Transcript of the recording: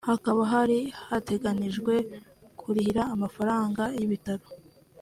Hakaba hari hateganijwe kurihira amafaranga y’ibitaro